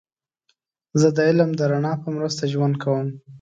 زه د علم د رڼا په مرسته ژوند کوم.